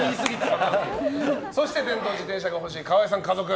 電動自転車がほしい河合さん家族。